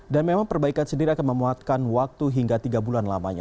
dan memang perbaikan sendiri akan memuatkan waktu hingga tiga bulan lamanya